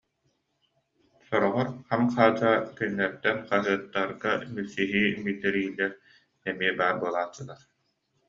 Сороҕор хам-хаадьаа кинилэртэн хаһыаттарга билсиһии биллэриилэр эмиэ баар буолааччылар